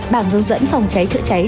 bảng hướng dẫn phòng cháy chữa cháy